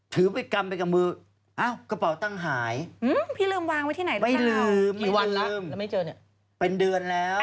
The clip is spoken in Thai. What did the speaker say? ถือไปกำไปกับมือเอ้ากระเป๋าตั้งหายพี่ลืมวางไว้ที่ไหนแล้วไม่ลืมไม่ลืมเป็นเดือนแล้ว